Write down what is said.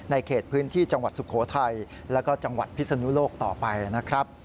เขตพื้นที่จังหวัดสุโขทัยแล้วก็จังหวัดพิศนุโลกต่อไปนะครับ